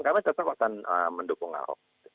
kami tetap akan mendukung ahok